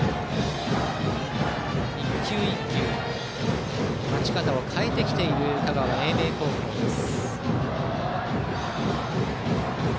１球１球、待ち方を変えてきてる香川・英明高校です。